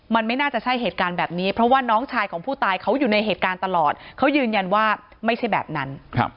มันไม่น่าจะใช่เหตุการณ์แบบนี้เพราะว่าน้องชายของผู้ตายเขาอยู่ในเหตุการณ์ตลอดเขายืนยันว่าไม่ใช่แบบนั้น